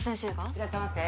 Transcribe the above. いらっしゃいませ